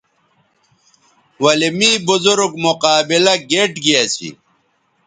ولے می بزرگ مقابلہ گیئٹ گی اسی